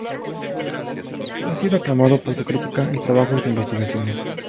Ha sido aclamado por su crítica y trabajos de investigaciones.